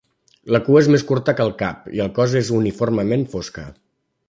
La cua és més curta que el cap i el cos i és uniformement fosca.